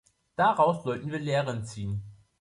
Daraus sollten wir Lehren ziehen.